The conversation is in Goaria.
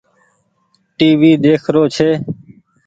ٽي وي ۮيک رو ڇي۔